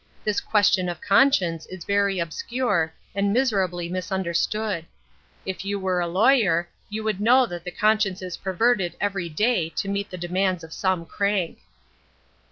This question of conscience is very obscure, and miserably mis understood. If you were a lawyer, you would know that the conscience is perverted every day to meet the demands of some crank."